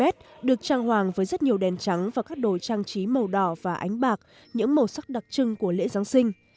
cây thông cao hai mươi hai mét được trang hoàng với rất nhiều đèn trắng và các đồ trang trí màu đỏ và ánh bạc những màu sắc đặc trưng của lễ giáng sinh